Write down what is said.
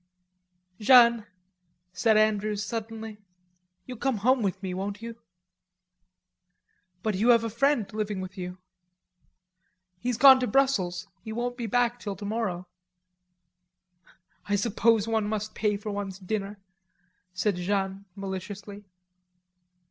"Jeanne," said Andrews, suddenly, "you'll come home with me, won't you?" "But you have a friend living with you." "He's gone to Brussels. He won't be back till tomorrow." "I suppose one must pay for one's dinner," said Jeanne maliciously.